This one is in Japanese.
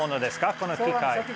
この機械。